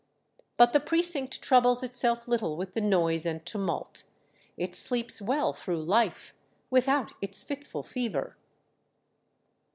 But the Precinct troubles itself little with the noise and tumult; it sleeps well through life without its fitful fever."